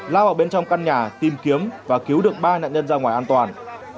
lao vào bên trong căn nhà tìm kiếm và cứu được ba nạn nhân ra ngoài an toàn